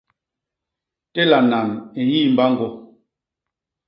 Téla nan i nyi mbañgô.